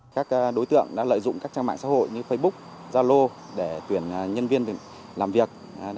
các đối tượng đã lợi dụng các trang mạng xã hội như facebook zalo để tuyển nhân viên làm việc